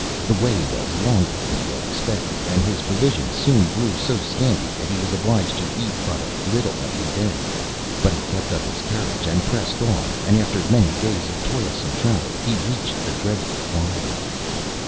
The way was longer than he had expected, and his provisions soon grew so scanty that he was obliged to eat but a little every day, but he kept up his courage, and pressed on, and, after many days of toilsome travel, he reached the dreadful wilds.